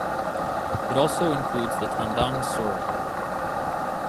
It also includes the Tandang Sora area.